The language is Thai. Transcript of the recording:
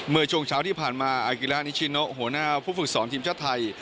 เมื่อช่วงเช้าที่ผ่านมาอากิระนิชิโนหัวหน้าผู้ฝึกสอนทีมชาติไทย